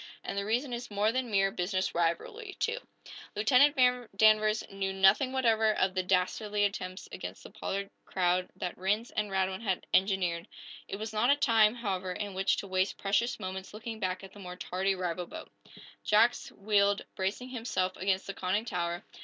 And the reason is more than mere business rivalry, too." Lieutenant Danvers knew nothing whatever of the dastardly attempts against the Pollard crowd that Rhinds and Radwin had engineered. It was not a time, however, in which to waste precious moments looking back at the more tardy rival boat. Jack wheeled, bracing himself against the conning tower.